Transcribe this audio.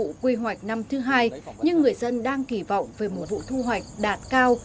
thu hoạch năm thứ hai nhưng người dân đang kỳ vọng về một vụ thu hoạch đạt cao